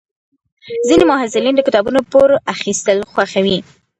ځینې محصلین د کتابونو پور اخیستل خوښوي.